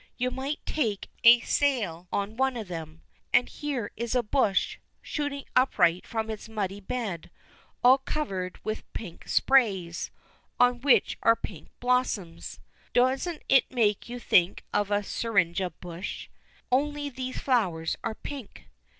You might take a sail on one of them. And here is a bush, shooting upright from its muddy bed, all covered with pink sprays, on which are pink blossoms. Doesn't it make you think of a syringa bush? Only these flowers are pink.